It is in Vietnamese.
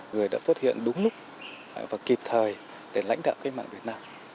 người đã xuất hiện đúng lúc và kịp thời để lãnh đạo cách mạng việt nam